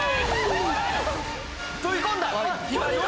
飛び込んだ！